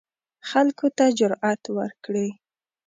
خلکو ته جرئت ورکړي